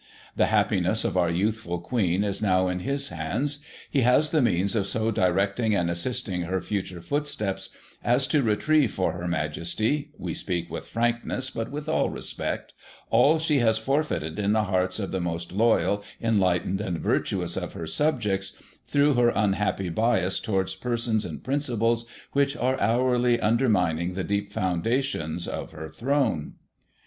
The happiness of our youthful Queen is now in his hands. He has the means of so directing and assisting her future footsteps, as to retrieve for Her Majesty (we speak with frank ness, but with all respect) all she has forfeited in the hearts of the most loyal, enlightened and virtuous of her subjects, through her unhappy bias towards persons and principles which are hourly undermining the deep foundations of her Throne.